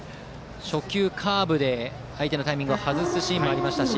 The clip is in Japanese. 初球カーブで相手のタイミングを外すシーンもありましたし